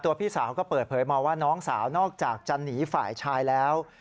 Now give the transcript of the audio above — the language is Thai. พี่สาวก็เปิดเผยมาว่าน้องสาวนอกจากจะหนีฝ่ายชายแล้ว